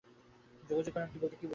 যোগজীকরণ বলতে কী বোঝায়?